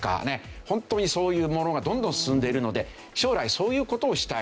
本当にそういうものがどんどん進んでいるので将来そういう事をしたい。